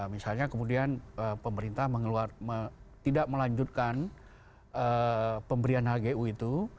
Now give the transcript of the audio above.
misalnya kemudian pemerintah tidak melanjutkan pemberian hgu itu